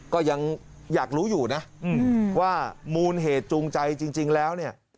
ก็ยังอยากรู้อยู่นะว่ามูลเหตุจูงใจจริงแล้วเนี่ย